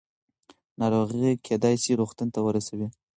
ناروغي کېدای شي روغتون ته ورسوي.